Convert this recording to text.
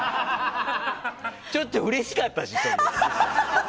ちょっとうれしかったし！